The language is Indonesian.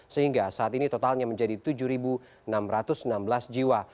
sehingga saat ini totalnya menjadi tujuh enam ratus enam belas jiwa